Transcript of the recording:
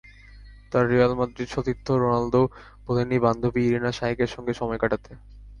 তাঁর Real Madrid সতীর্থ রোনালদোও ভোলেননি বান্ধবী ইরিনা শায়েকের সঙ্গে সময় কাটাতে।